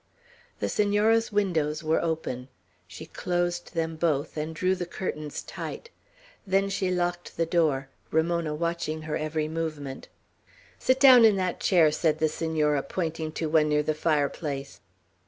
The Senora's windows were open. She closed them both, and drew the curtains tight. Then she locked the door, Ramona watching her every movement. "Sit down in that chair," said the Senora, pointing to one near the fireplace.